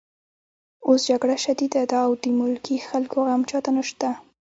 اوس جګړه شدیده ده او د ملکي خلکو غم چاته نشته